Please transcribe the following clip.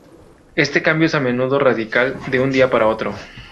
Este cambio es a menudo radical, de un día para otro.